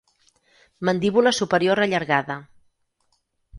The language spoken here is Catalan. Mandíbula superior allargada.